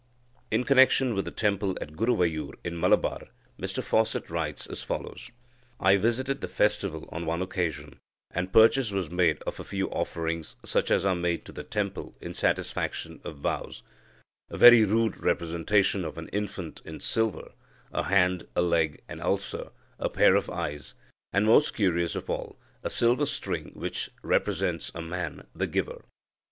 In connection with the temple at Guruvayur in Malabar, Mr Fawcett writes as follows : "I visited the festival on one occasion, and purchase was made of a few offerings such as are made to the temple in satisfaction of vows a very rude representation of an infant in silver, a hand, a leg, an ulcer, a pair of eyes, and, most curious of all, a silver string which represents a man, the giver.